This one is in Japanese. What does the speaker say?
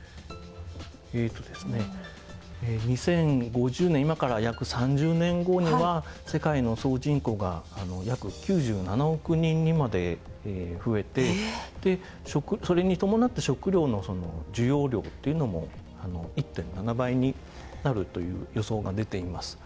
えっとですね２０５０年今から約３０年後には世界の総人口が約９７億人にまで増えてそれに伴って食料の需要量っていうのも１．７倍になるという予想が出ています。